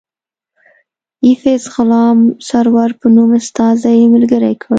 ایفز غلام سرور په نوم استازی ملګری کړ.